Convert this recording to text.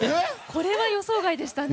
これは予想外でしたね。